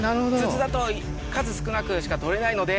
筒だと数少なくしか取れないので。